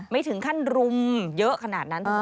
ไม่ถึงขั้นรุมเยอะขนาดนั้น